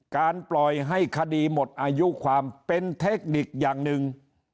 ปล่อยให้คดีหมดอายุความเป็นเทคนิคอย่างหนึ่ง